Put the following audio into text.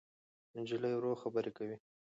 نجلۍ ورو خبرې کوي.